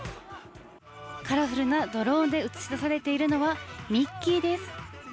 カラフルなドローンで映し出されているのはミッキーです。